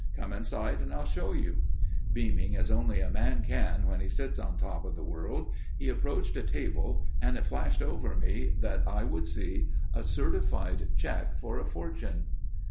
"Come inside and I'll show you." Beaming as only a man can when he sits on top of the world, he approached a table and it flashed over me that I would see a certified check for a fortune.